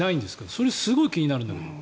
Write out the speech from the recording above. それ、すごい気になるんですが。